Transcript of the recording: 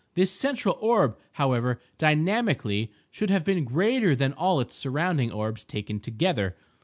This central orb, however, dynamically, should have been greater than all its surrounding orbs taken together.